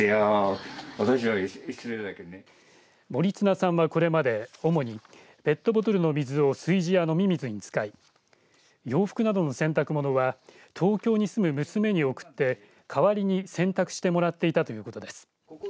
森綱さんは、これまで主にペットボトルの水を炊事や飲み水に使い洋服などの洗濯物は東京に住む娘に送って代わりに洗濯してもらっていたということです。